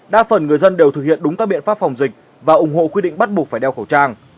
đa phần người dân đều thực hiện đúng các biện pháp phòng dịch và ủng hộ quy định bắt buộc phải đeo khẩu trang